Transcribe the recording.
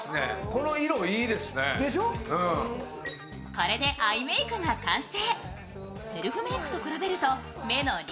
これでアイメイクが完成。